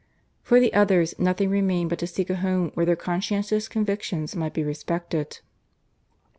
For the others nothing remained but to seek a home where their conscientious convictions might be respected.